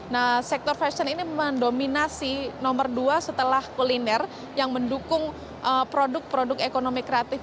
nah sektor fashion ini mendominasi nomor dua setelah kuliner yang mendukung produk produk ekonomi kreatif